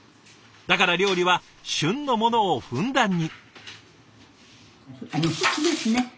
だから料理は旬のものをふんだんに。